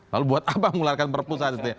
lalu buat apa mengularkan berpusat